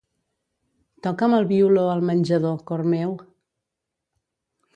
Toca'm el violó al menjador, cor meu.